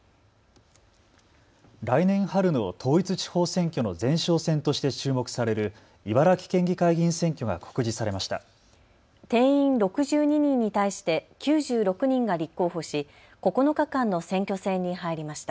来年春の統一地方選挙の前哨戦として注目される茨城県議会議員選挙が告示されました。